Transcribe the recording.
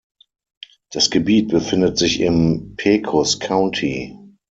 Das Gebiet befindet sich im Pecos County.